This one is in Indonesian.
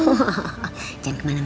enggak boleh kemana mana